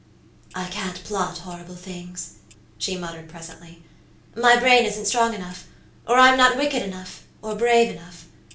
"I can't plot horrible things," she muttered, presently; "my brain isn't strong enough, or I'm not wicked enough, or brave enough.